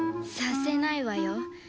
させないわよ